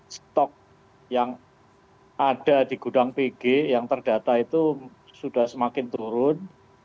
stok yang ada di gudang pg yang terdata itu sudah semakin turun